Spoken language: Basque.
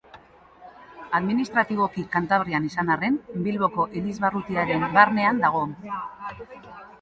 Administratiboki Kantabrian izan arren, Bilboko elizbarrutiaren barnean dago.